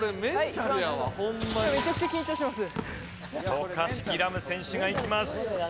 渡嘉敷来夢選手がいきます。